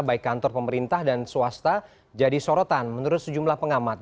baik kantor pemerintah dan swasta jadi sorotan menurut sejumlah pengamat